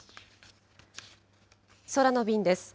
空の便です。